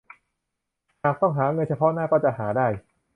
หากต้องหาเงินเฉพาะหน้าก็จะหาได้